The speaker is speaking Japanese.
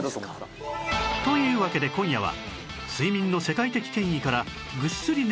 というわけで今夜は